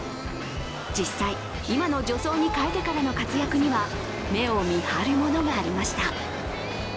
実際、今の助走に変えてからの活躍には目を見張るものがありました。